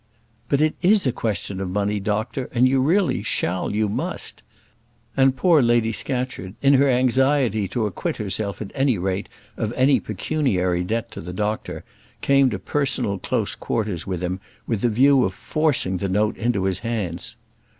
"But it is a question of money, doctor; and you really shall, you must." And poor Lady Scatcherd, in her anxiety to acquit herself at any rate of any pecuniary debt to the doctor, came to personal close quarters with him, with the view of forcing the note into his hands.